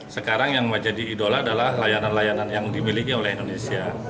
sekarang yang menjadi idola adalah layanan layanan yang dimiliki oleh indonesia